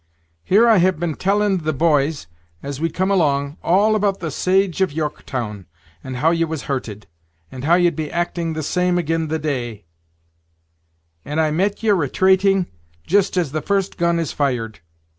Here I have been telling the b'ys, as we come along, all about the saige of Yorrektown, and how ye was hurted; and how ye'd be acting the same agin the day; and I mate ye retraiting jist as the first gun is fired.